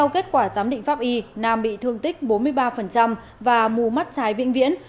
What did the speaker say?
kết quả giám định pháp y nam bị thương tích bốn mươi ba và mù mắt trái vĩnh viễn